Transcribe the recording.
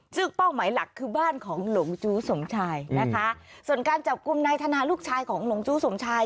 ซึ่งเป้าหมายหลักคือบ้านของหลงจู้สมชายนะคะส่วนการจับกลุ่มนายธนาลูกชายของหลงจู้สมชาย